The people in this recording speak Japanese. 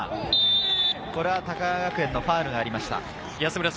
これは高川学園のファウルがありました。